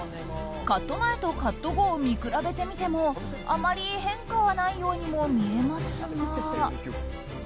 カット前とカット後を見比べてみてもあまり変化はないようにも見えますが。